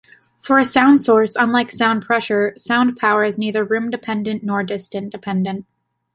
For a sound source, unlike sound pressure, sound power is neither room-dependent nor distance-dependent.